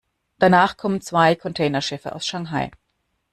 Danach kommen zwei Containerschiffe aus Shanghai.